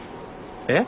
えっ？